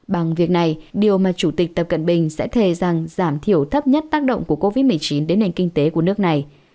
bằng việc này điều mà chủ tịch tập cận bình sẽ thề rằng giảm thiểu thấp nhất tác động của covid một mươi chín đến nền kinh tế của nước này